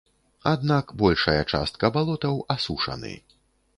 Аднак большая частка балотаў асушаны.